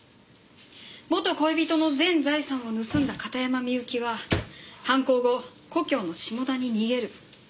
元恋人の全財産を盗んだ片山みゆきは犯行後故郷の下田に逃げる。